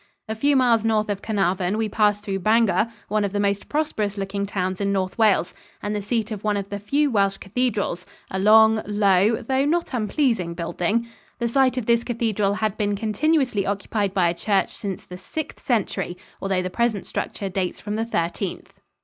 A few miles north of Carnarvon we passed through Bangor, one of the most prosperous looking towns in North Wales and the seat of one of the few Welsh cathedrals a long, low, though not unpleasing, building. The site of this cathedral had been continuously occupied by a church since the Sixth Century, although the present structure dates from the Thirteenth.